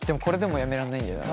やめられないんだよ。